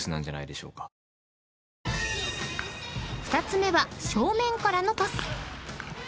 ［二つ目は正面からのトス］